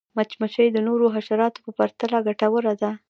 مچمچۍ د نورو حشراتو په پرتله ګټوره ده